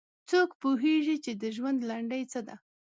څوک پوهیږي چې د ژوند لنډۍ څه ده